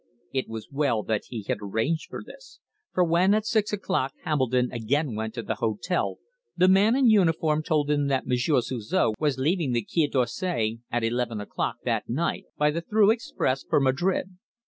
It was well that he had arranged this, for when at six o'clock Hambledon again went to the hotel the man in uniform told him that Monsieur Suzor was leaving the Quai d'Orsay at eleven o'clock that night by the through express for Madrid.